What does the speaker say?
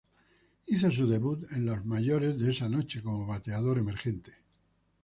Hizo su debut en las mayores de esa noche como bateador emergente.